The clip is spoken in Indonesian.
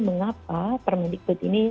mengapa permendikbud ini